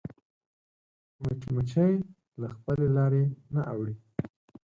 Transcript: مچمچۍ له خپلې لارې نه اوړي